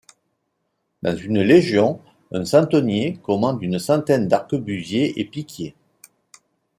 Dans une légion, un centenier commande une centaine d'arquebusiers et piquiers.